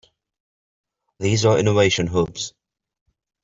These are innovation hubs.